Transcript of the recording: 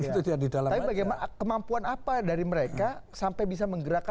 tapi bagaimana kemampuan apa dari mereka sampai bisa menggerakkan